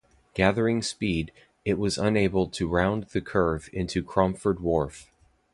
Gathering speed, it was unable to round the curve into Cromford Wharf.